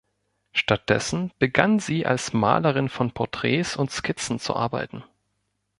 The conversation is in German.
Stattdessen begann sie als Malerin von Porträts und Skizzen zu arbeiten.